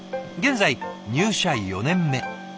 現在入社４年目。